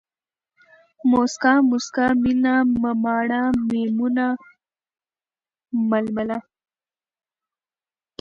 موسکا ، مُسکا، مينه ، مماڼه ، ميمونه ، ململه